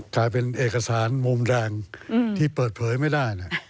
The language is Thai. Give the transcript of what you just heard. กลายเป็นเอกสารมุมแดงที่เปิดเผยไม่ได้